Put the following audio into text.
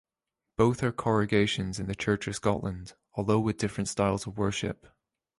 Both are congregations in the Church of Scotland, although with differing styles of worship.